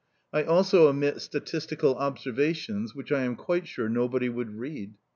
I also omit statistical observations, which I am quite sure nobody would read.